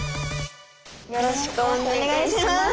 よろしくお願いします。